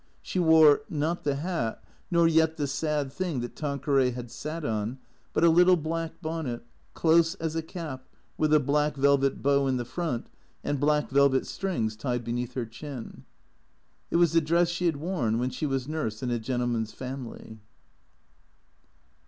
She wore, not the Hat, nor yet the sad thing that Tanqueray had sat on, but a little black bonnet, close as a cap, with a black velvet bow in the front, and black velvet strings tied beneath her chin. It was the dress she had worn when she was nurse in a gen tleman's family.